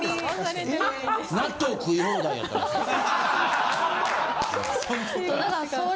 納豆食い放題やったらしい。